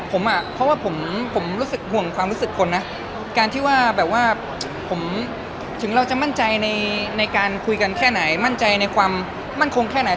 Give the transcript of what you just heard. ผมอ่ะเพราะว่าผมรู้สึกห่วงความรู้สึกคนนะการที่ว่าแบบว่าผมถึงเราจะมั่นใจในการคุยกันแค่ไหนมั่นใจในความมั่นคงแค่ไหน